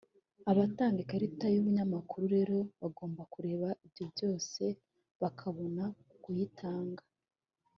Abatanga ikarita y’ubunyamakuru rero bagomba kureba ibyo byose bakabona kuyitanga